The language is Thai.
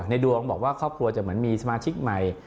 ดวงบอกว่าครอบครัวจะเหมือนมีสมาชิกใหม่